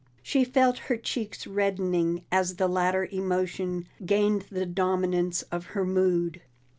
She felt her cheeks reddening as the latter emotion gained the dominance of her mood.